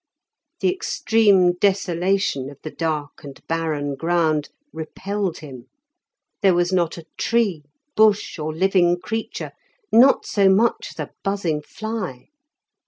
The extreme desolation of the dark and barren ground repelled him; there was not a tree, bush, or living creature, not so much as a buzzing fly.